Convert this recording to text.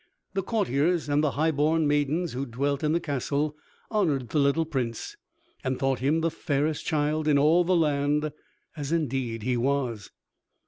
The courtiers and the high born maidens who dwelt in the castle honored the little Prince, and thought him the fairest child in all the land, as indeed he was.